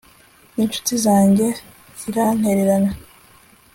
n'incuti zanjye zirantererana